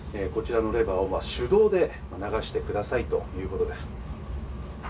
レバーを手動で流してくださいということです。